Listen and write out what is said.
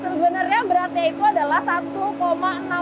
nih sebenarnya beratnya itu adalah satu enam ton